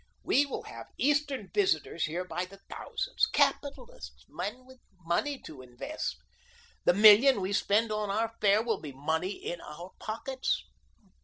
We will have Eastern visitors here by the thousands capitalists men with money to invest. The million we spend on our fair will be money in our pockets.